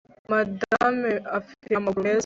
madame afite amaguru meza